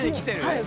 はい。